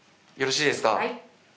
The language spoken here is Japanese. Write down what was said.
よろしいですか？